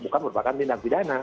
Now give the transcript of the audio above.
bukan merupakan tindak pidana